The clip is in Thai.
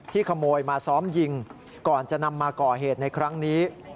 ขโมยมาซ้อมยิงก่อนจะนำมาก่อเหตุในครั้งนี้